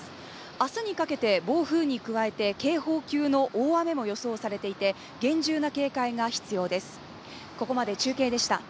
明日にかけて暴風に加えて警報級の大雨も予想されていて厳重な警戒が必要です。